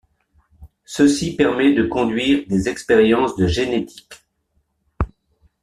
Ceci permet de conduire des expériences de génétique.